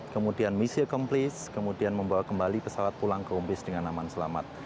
kemudian misi accomplish kemudian membawa kembali pesawat pulang ke umpis dengan aman selamat